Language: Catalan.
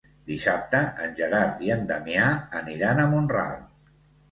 Dissabte en Gerard i en Damià aniran a Mont-ral.